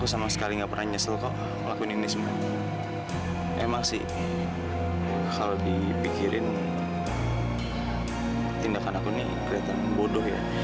sampai jumpa di video selanjutnya